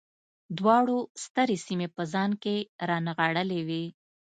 دواړو سترې سیمې په ځان کې رانغاړلې وې